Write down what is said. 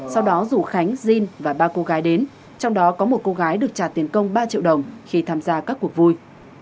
sau đó rủ khánh diên và ba cô gái đến trong đó có một cô gái được trả tiền công ba triệu đồng khi tham gia các cuộc vui